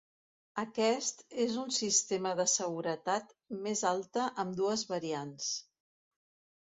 Aquest és un sistema de seguretat més alta amb dues variants.